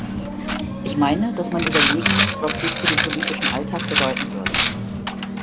Ich meine, dass man überlegen muss, was dies für den politischen Alltag bedeuten würde.